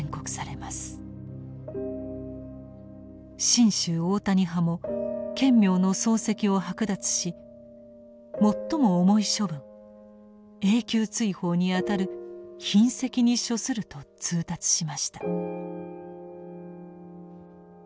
真宗大谷派も顕明の僧籍を剥奪し最も重い処分永久追放にあたる「擯斥」に処すると通達しました。